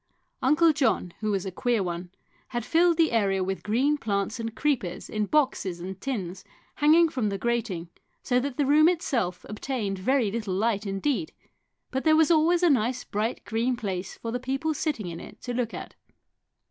Uncle John, who was a queer one, had filled the area with green plants and creepers in boxes and tins hanging from the grating, so that the room itself obtained very little light indeed, but there was always a nice bright green place for the people sitting in it to look at.